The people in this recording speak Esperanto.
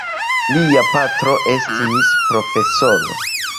Lia patro estis profesoro.